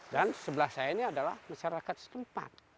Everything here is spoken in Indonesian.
dan sebelah saya ini adalah masyarakat setempat